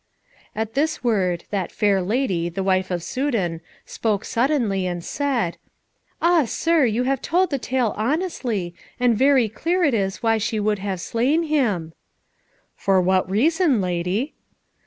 At this word that fair lady, the wife of the Soudan, spoke suddenly, and said, "Ah, sir, you have told the tale honestly, and very clear it is why she would have slain him." "For what reason, lady?"